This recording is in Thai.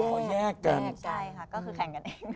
ใช่ค่ะก็คือแข่งกันเอง